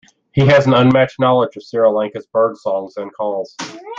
He has an unmatched knowledge of Sri Lanka's bird songs and calls.